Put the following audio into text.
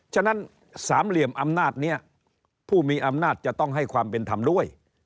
ฉะนั้นสามเหลี่ยมอำนาจนี้ผู้มีอำนาจจะต้องให้ความเป็นธรรมด้วย